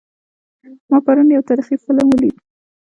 ما پرون یو تاریخي فلم ولید